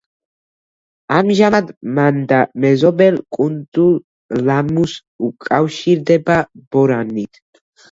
ამჟამად მანდა მეზობელ კუნძულ ლამუს უკავშირდება ბორანით.